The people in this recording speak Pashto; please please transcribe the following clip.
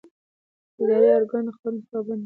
اداري ارګان د قانون پابند دی.